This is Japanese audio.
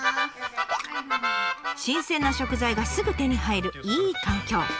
新鮮な食材がすぐ手に入るいい環境。